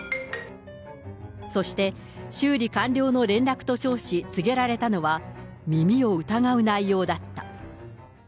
そして修理完了の連絡と称し、告げられたのは、耳を疑う内容だった。